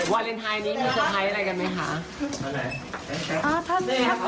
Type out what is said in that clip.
วาเลนไทน์นี้มีสไพส์อะไรกันไหมคะ